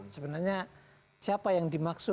sebenarnya siapa yang dimaksud